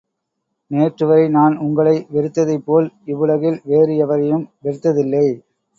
நேற்று வரை நான் உங்களை வெறுத்ததைப் போல் இவ்வுலகில் வேறு எவரையும் வெறுத்ததில்லை.